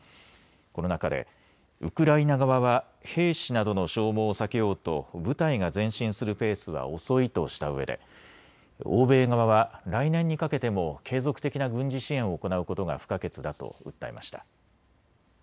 この中でウクライナ側は兵士などの消耗を避けようと部隊が前進するペースは遅いとしたうえで欧米側は来年にかけても継続的な軍事支援を行うことが不可欠だと訴えました。